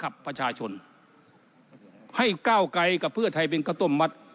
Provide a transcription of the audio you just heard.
ข้าวต้มมัดพระชาชนให้เก้าไก่กับเพื่อไทยเป็นข้าวต้มมัด